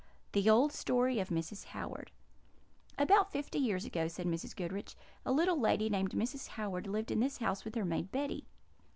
The Old Story of Mrs. Howard "About fifty years ago," said Mrs. Goodriche, "a little old lady, named Mrs. Howard, lived in this house with her maid Betty.